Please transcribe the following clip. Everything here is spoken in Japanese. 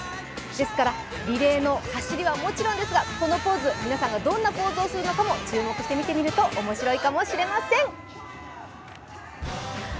ですからリレーの走りはもちろんですが、このポーズ、皆さんがどんなポーズをするのかも注目して見るとおもしろいかもしれません。